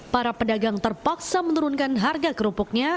para pedagang terpaksa menurunkan harga kerupuknya